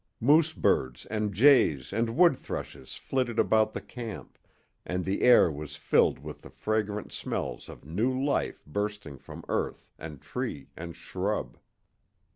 Moose birds and jays and wood thrushes flitted about the camp, and the air was filled with the fragrant smells of new life bursting from earth and tree and shrub.